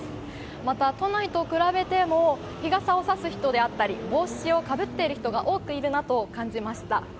また、都内と比べても日傘を差す人であったり帽子をかぶっている人が多くいるなと感じました。